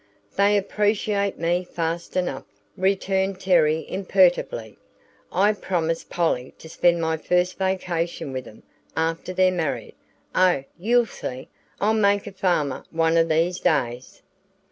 "They appreciate me fast enough," returned Terry, imperturbably. "I promised Polly to spend my first vacation with 'em after they're married Oh, you'll see; I'll make a farmer one of these days!"